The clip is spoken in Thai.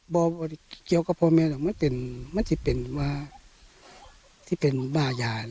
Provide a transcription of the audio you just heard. บอกว่าเกี่ยวกับพ่อแม่มันจะเป็นว่าที่เป็นบ้ายา